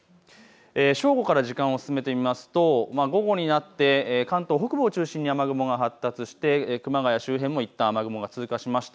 正午から時間を進めてみますと午後になって関東北部を中心に雨雲が発達して熊谷周辺もいったん雨雲が通過しました。